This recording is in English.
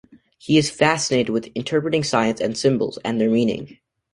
He is fascinated with interpreting signs and symbols, and their meaning.